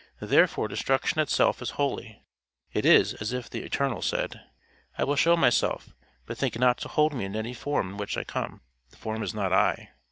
Therefore destruction itself is holy. It is as if the Eternal said, "I will show myself; but think not to hold me in any form in which I come. The form is not I."